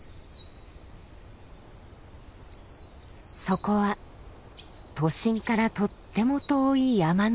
そこは都心からとっても遠い山の中。